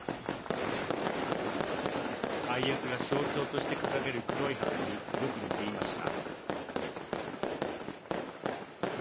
ＩＳが象徴として掲げる黒い旗によく似ていました。